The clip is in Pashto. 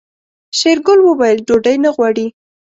شېرګل وويل ډوډۍ نه غواړي.